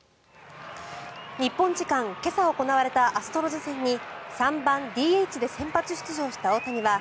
日本時間、今朝行われたアストロズ戦に３番ＤＨで先発出場した大谷は